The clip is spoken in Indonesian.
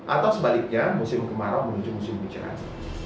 atau sebaliknya musim kemarau menuju musim hujan